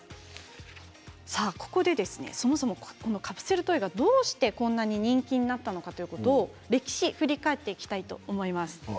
ここで、そもそもこのカプセルトイがどうしてこんなに人気になったのか歴史を振り返っていきたいと思います。